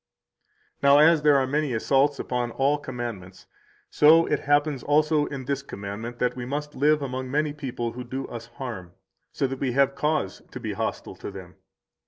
Now, as there are many assaults upon all commandments, so it happens also in this commandment that we must live among many people who do us harm, so that we have cause to be hostile to them.